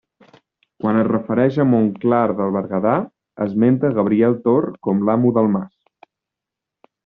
Quan es refereix a Montclar de Berguedà esmenta a Gabriel Tor com l'amo del mas.